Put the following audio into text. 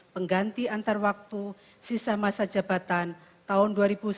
pengganti antarwaktu sisa masa jabatan tahun dua ribu sembilan belas dua ribu dua puluh tiga